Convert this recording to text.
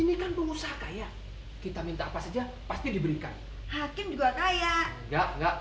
ini kan pengusaha kaya kita minta apa saja pasti diberikan hakim juga kaya enggak enggak